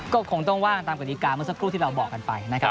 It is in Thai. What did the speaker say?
ก็คงต้องว่างตามกฎิกาเมื่อสักครู่ที่เราบอกกันไปนะครับ